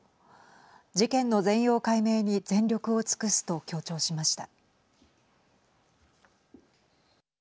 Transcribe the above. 事件の全容解明に全力を尽くすと強調しました。